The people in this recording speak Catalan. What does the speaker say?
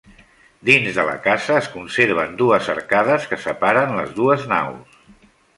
Dins de la casa es conserven dues arcades que separen les dues naus.